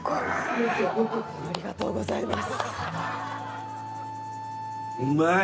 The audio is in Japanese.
「ありがとうございます」うまい！